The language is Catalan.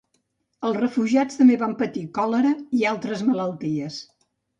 Els refugiats també van patir còlera i altres malalties.